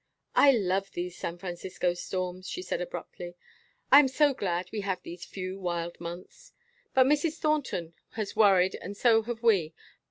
"I love these San Francisco storms," she said abruptly. "I am so glad we have these few wild months. But Mrs. Thornton has worried and so have we.